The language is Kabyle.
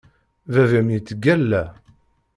Baba-m yettgalla.